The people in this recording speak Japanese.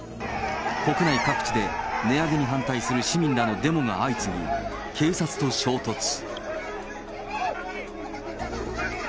国内各地で値上げに反対する市民らのデモが相次ぎ、警察と衝突。